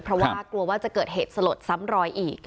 เพราะว่ากลัวว่าจะเกิดเหตุสลดซ้ำรอยอีก